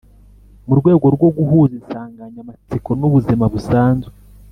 Mu rwego rwo guhuza insanganyamatsiko n’ubuzima busanzwe